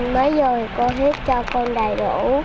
mới vô thì cô hít cho con đầy đủ